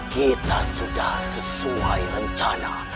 kita sudah sesuai rencana